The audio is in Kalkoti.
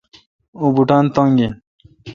اوں بوٹان تنگ این۔